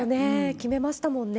決めましたもんね。